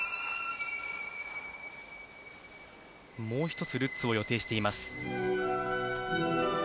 もう１つルッツを予定しています。